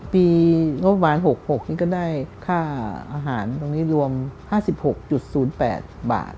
งบประมาณ๖๖นี้ก็ได้ค่าอาหารตรงนี้รวม๕๖๐๘บาท